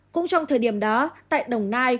cũng trong thời điểm đó tại đồng nai